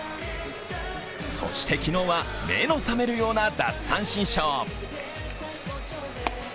そして昨日は目の覚めるような奪三振ショー。